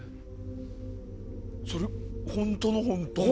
それ本当の本当？